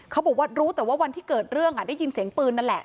เขาบอกว่ารู้แต่ว่าวันที่เกิดเรื่องได้ยินเสียงปืนนั่นแหละ